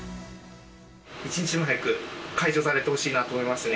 一日も早く解除されてほしいなと思いますね。